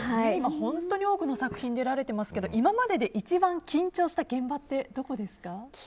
本当に多くの作品に出られていますけれども今までで一番緊張した現場はどこですか？